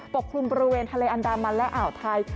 กลุ่มบริเวณทะเลอันดามันและอ่าวไทย